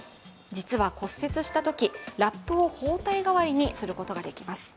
実は骨折したときラップを包帯がわりにすることができます。